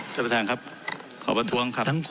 เจ้าประธานครับขอบภัทรวงครับ